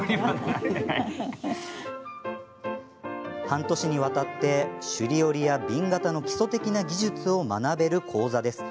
半年にわたって首里織や紅型の基礎的な技術を学べる講座です。